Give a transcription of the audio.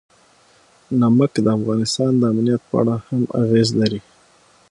نمک د افغانستان د امنیت په اړه هم اغېز لري.